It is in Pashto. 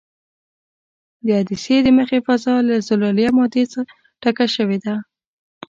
د عدسیې د مخې فضا له زلالیه مادې ډکه شوې ده.